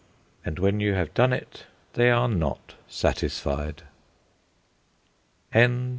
'" And when you have done it they are not satisfied.